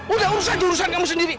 udah urusan jurusan kamu sendiri